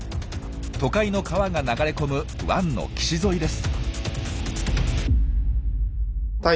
都会の川が流れ込む湾の岸沿いです。